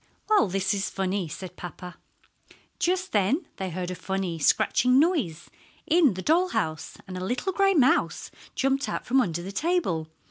"Well, this is funny," said papa. Just then they heard a funny, scratching noise in the doll house, and a little gray mouse jumped out from under the table.